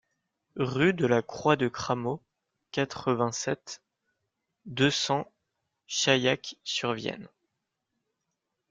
Rue de la Croix de Cramaux, quatre-vingt-sept, deux cents Chaillac-sur-Vienne